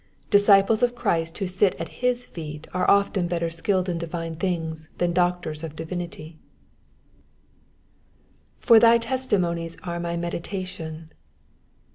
Disciples of Christ who sit at his feet are often better skilled in divine things than doctors of divinity, ^^For thy testimonies are my meditation.'